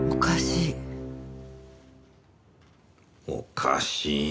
おかしい。